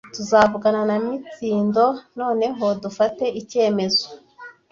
Tuzavugana na Mitsindo noneho dufate icyemezo.